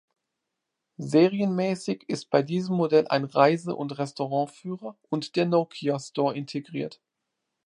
Serienmäßig ist bei diesem Modell ein Reise- und Restaurant-Führer und der Nokia Store integriert.